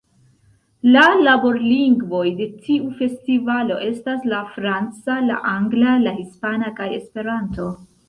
La laborlingvoj de tiu festivalo estas la franca, la angla, la hispana kaj Esperanto.